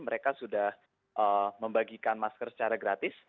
mereka sudah membagikan masker secara gratis